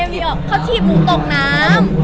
พี่นักจีบหนูตกน้ำ